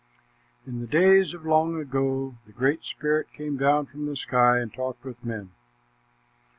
In the days of long ago the Great Spirit came down from the sky and talked with men.